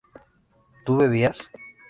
¿tú bebías?